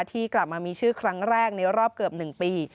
ที่กลับมามีชื่อครั้งแรกในรอบเกือบ๑ปี